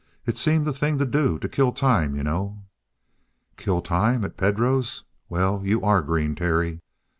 It seemed the thing to do to kill time, you know." "Kill time! At Pedro's? Well you are green, Terry!"